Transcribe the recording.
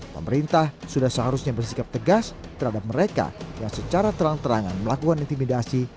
pemerintah sudah seharusnya bersikap tegas terhadap mereka yang secara terang terangan melakukan intimidasi